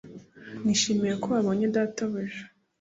Nishimiye ko wabonye data buja